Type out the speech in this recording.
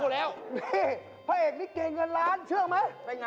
พะเอกไม่เก่เงินล้านเชื่อไหม